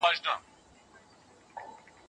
مور د ماشوم د تبه بدلون څاري.